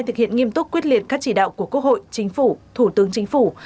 thực hiện nghiêm túc quyết liệt các chỉ đạo của quốc hội chính phủ thủ tướng chính phủ